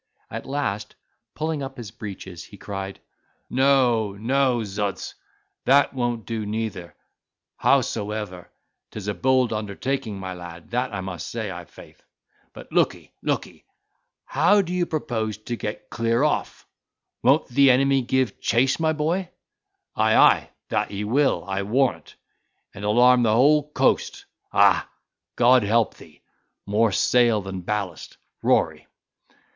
At last, pulling up his breeches, he cried, "No, no, z—ds! that won't do neither; howsoever, 'tis a bold undertaking, my lad, that I must say, i'faith; but lookee, lookee, how do you propose to get clear off—won't the enemy give chase, my boy?—ay, ay, that he will, I warrant, and alarm the whole coast; ah! God help thee, more sail than ballast, Rory.